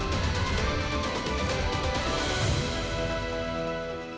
berapa banyak praktek perkawinan anak di jawa barat yang tidak didaftarkan dan dicatat oleh negara